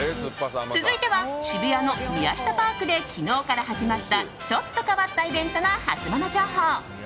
続いては渋谷の宮下パークで昨日から始まったちょっと変わったイベントのハツモノ情報。